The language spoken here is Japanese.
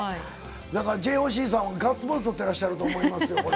だから、ＪＯＣさん、ガッツポーズ取ってらっしゃると思いますよ、これ。